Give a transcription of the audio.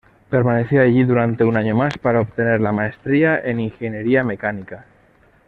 Permaneció allí durante un año más para obtener la maestría en ingeniería mecánica.